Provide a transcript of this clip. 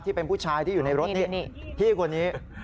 ที่เป็นผู้ชายที่อยู่ในรถนี่พี่คนนี้